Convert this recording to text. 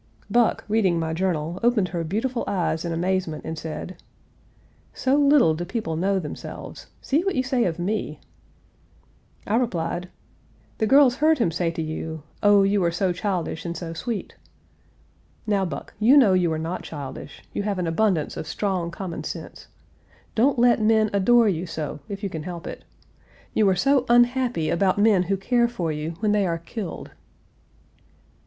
Buck, reading my journal, opened her beautiful eyes in amazement and said: "So little do people know themselves! See what you say of me!" I replied: "The girls heard him say to you, 'Oh, you are so childish and so sweet!' Now, Buck, you know you are not childish. You have an abundance of strong common sense. Don't let men adore you so if you can help it. You are so unhappy about men who care for you, when they are killed."